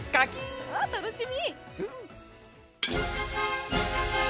わあ、楽しみ。